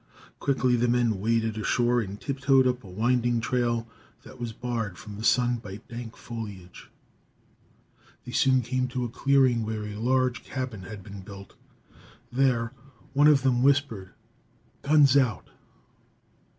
Quickly, the men waded ashore and tiptoed up a winding trail that was barred from the sun by dank foliage. They soon came to a clearing where a large cabin had been built. There, one of them whispered, "Guns out!"